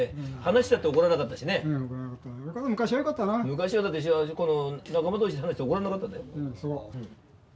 昔はだって仲間同士で話しても怒られなかったんだよ。